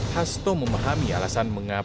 hasto memahami alasan mengapa